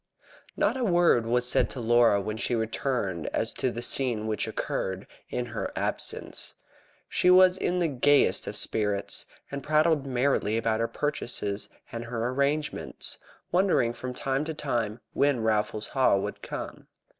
Not a word was said to Laura when she returned as to the scene which had occurred in her absence. She was in the gayest of spirits, and prattled merrily about her purchases and her arrangements, wondering from time to time when Raffles Haw would come.